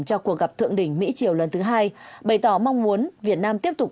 cho cuộc gặp thượng đỉnh mỹ triều lần thứ hai bày tỏ mong muốn việt nam tiếp tục